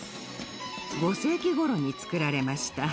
５世紀頃に造られました。